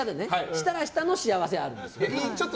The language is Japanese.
したら、したの幸せがあるんですよ。